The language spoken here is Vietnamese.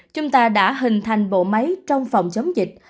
chúng ta đã hình thành bộ máy trong phòng chống dịch